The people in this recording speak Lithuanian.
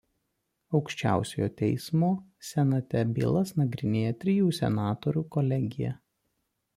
Aukščiausiojo Teismo Senate bylas nagrinėja trijų senatorių kolegija.